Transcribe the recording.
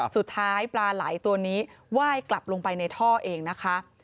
สุดท้ายปลาไหลตัวนี้ไหว้กลับลงไปในท่อเองนะคะ